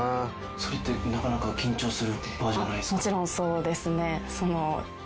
それってなかなか緊張する場じゃないですか？